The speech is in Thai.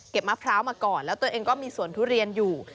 มะพร้าวมาก่อนแล้วตัวเองก็มีสวนทุเรียนอยู่